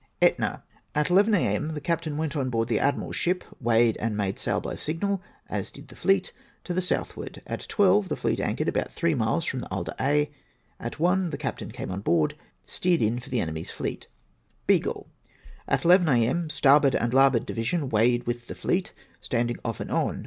Etna, At 11 A.M. the Captain went on board the Admiral's ship. Weighed and made sail by signal, as did the fleet to the southward. At 12, fleet anchored about three miles from the Isle d'Aix. At 1 the Captain came on board, steered in for the enemy's fleet. Beagle. At 11 A.M. starboard and larboard division weighed with with fleet — standing off and on.